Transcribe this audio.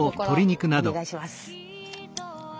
お願いします。